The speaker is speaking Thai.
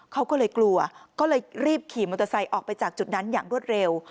เขาก็เลยกลัวก็เลยรีบขี่มอเตอร์ไซค์ออกไปจากจุดนั้นอย่างรวดเร็ว